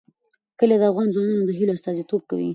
کلي د افغان ځوانانو د هیلو استازیتوب کوي.